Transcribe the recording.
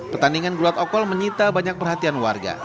pertandingan gulat okol menyita banyak perhatian warga